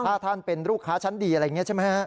ถ้าท่านเป็นลูกค้าชั้นดีอะไรอย่างนี้ใช่ไหมฮะ